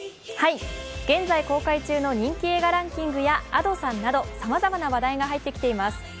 現在公開中の人気映画ランキングやＡｄｏさんなど、さまざまな話題が入ってきています。